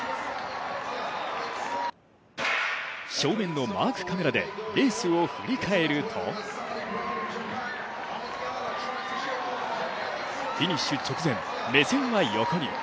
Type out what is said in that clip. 正面のマークカメラでレースを振り返るとフィニッシュ直前、目線は横に。